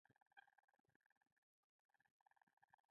په ژوند کې تر ټولو سخت کار سم فکر کول دي.